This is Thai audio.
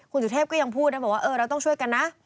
คุณสุเทพก็ยังพูดนะบอกว่าเออเราต้องช่วยกันนะ